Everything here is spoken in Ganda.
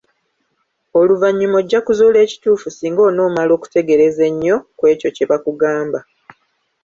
Oluvannyuma ojja kuzuula ekituufu singa onoomala okutegereza ennyo ku ekyo kye bakugamba.